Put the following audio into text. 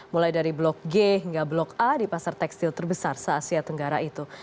mulai dari blok g hingga blok a di pasar tekstil terbesar se asia tenggara itu